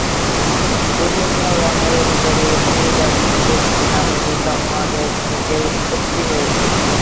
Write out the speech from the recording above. বিভিন্ন রঙের অধিকারী এ ফুল গাছটি দক্ষিণ আমেরিকা মহাদেশ থেকে উৎপত্তি হয়েছে।